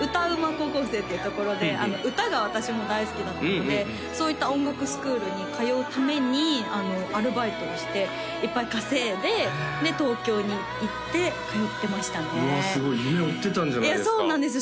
高校生というところで歌が私も大好きだったのでそういった音楽スクールに通うためにアルバイトをしていっぱい稼いでで東京に行って通ってましたねわあすごい夢追ってたんじゃないですかそうなんです